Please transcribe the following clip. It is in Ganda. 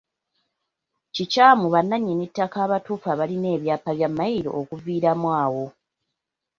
Kikyamu bannannyini ttaka abatuufu abalina ebyapa bya Mmayiro okuviiramu awo.